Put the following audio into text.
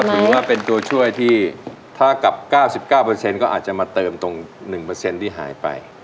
ถือว่าเป็นตัวช่วยที่ถ้ากับ๙๙ก็อาจจะมาเติมตรง๑ที่หายไป